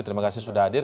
terima kasih sudah hadir